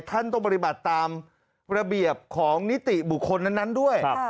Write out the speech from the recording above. ท่านต้องปฏิบัติตามระเบียบของนิติบุคคลนั้นด้วย